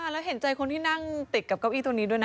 แล้วเห็นใจคนที่นั่งติดกับเก้าอี้ตัวนี้ด้วยนะ